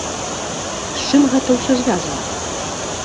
З чым гэта ўсё звязана?